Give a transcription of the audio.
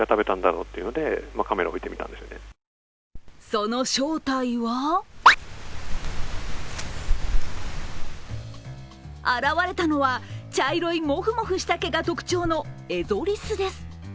その正体は現れたのは、茶色いもふもふした毛が特徴のエゾリスです。